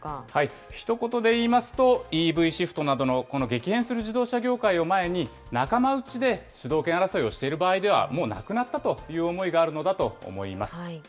ひと言で言いますと、ＥＶシフトなどのこの激変する自動車業界を前に、仲間内で主導権争いをしている場合では、もうなくなったという思いがあるのだと思います。